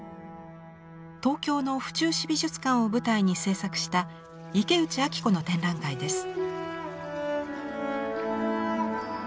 東京の府中市美術館を舞台に制作した池内晶子の展覧会です。